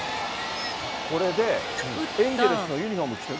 これで、エンゼルスのユニホーム着て。